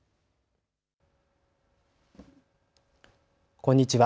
こんにちは。